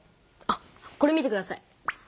あっこれ見てください。